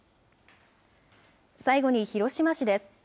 最後に広島市です。